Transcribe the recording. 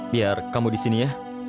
biar kamu di sini ya